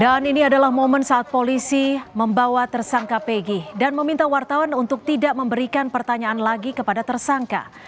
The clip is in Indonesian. dan ini adalah momen saat polisi membawa tersangka peggy dan meminta wartawan untuk tidak memberikan pertanyaan lagi kepada tersangka